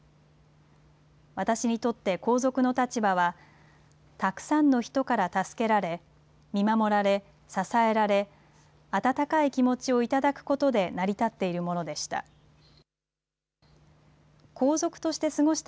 私にとって皇族の立場は、たくさんの人から助けられ、見守られ、支えられ、温かい気持ちを頂くことで成り立っているものでした。